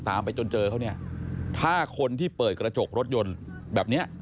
ไปจนเจอเขาเนี่ยถ้าคนที่เปิดกระจกรถยนต์แบบเนี้ย